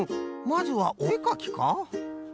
まずはおえかきか？